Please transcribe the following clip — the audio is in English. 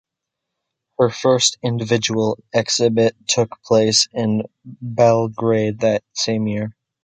Her first individual exhibit took place in Belgrade that same year.